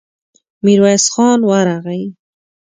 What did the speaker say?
ميرويس خان ورغی.